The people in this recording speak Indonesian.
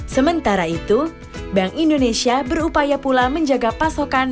sementara itu bank indonesia berupaya pula menjaga pasokan